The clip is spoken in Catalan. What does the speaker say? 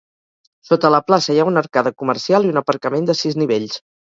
Sota la plaça hi ha una arcada comercial i un aparcament de sis nivells.